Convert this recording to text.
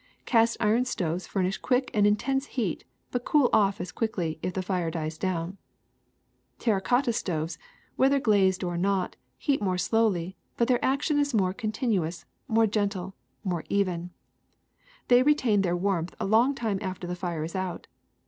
Cast iron stoves furnish quick and intense heat, but cool off as quickly if the fire dies do^\ai. Terra cotta stoves, whether glazed or not, heat more slowly, but their action is more contin uous, more gentle, more even; they retain their warmth a long time after the fire is out.